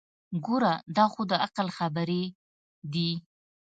ګوره دا خو دعقل خبرې دي.